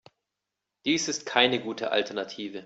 Dies ist keine gute Alternative.